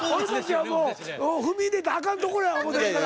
踏み入れたらあかんとこや思てるから。